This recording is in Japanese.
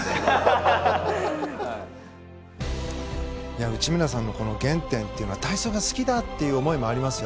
松岡：内村さんのこの原点っていうのは体操が好きだっていう思いもありますよ。